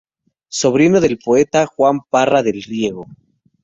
Sobrino del poeta Juan Parra del Riego.